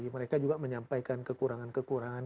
mereka juga menyampaikan kekurangan kekurangan